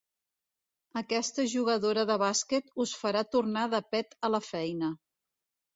Aquesta jugadora de bàsquet us farà tornar de pet a la feina.